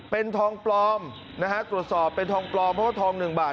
เป็นทองนะฮะตรวจสอบเป็นทองเพราะทอง๑บาท